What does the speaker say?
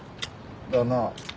だな。